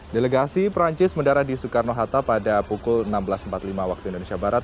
delegasi perancis mendarat di soekarno hatta pada pukul enam belas empat puluh lima waktu indonesia barat